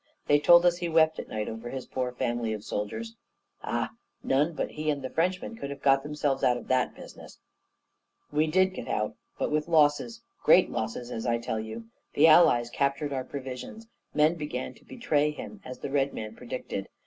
They told us he wept at night over his poor family of soldiers. Ah! none but he and Frenchmen could have got themselves out of that business. We did get out, but with losses, great losses, as I tell you. The Allies captured our provisions. Men began to betray him, as the Red Man predicted.